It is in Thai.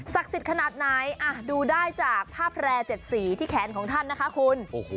ศักดิ์ศิลป์ขนาดไหนดูได้จากภาพแแล่๗สีแขนของท่านนะคะคุณ